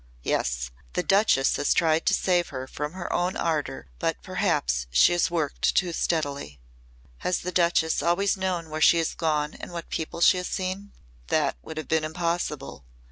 "Yes. The Duchess has tried to save her from her own ardour, but perhaps she has worked too steadily." "Has the Duchess always known where she has gone and what people she has seen?" "That would have been impossible.